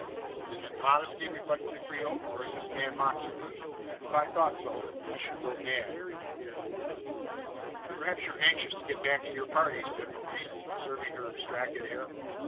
"Is it modesty?" reflected the Creole. "Or is this man mocking me? If I thought so, I should go mad!" "Perhaps you are anxious to get back to your party?" said Maurice, observing her abstracted air.